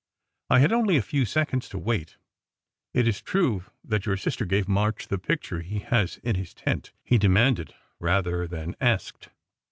I had only a few seconds to wait. "Is it true that your sister gave March the picture he has in his tent?" he de manded, rather than asked.